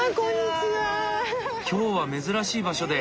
今日は珍しい場所で。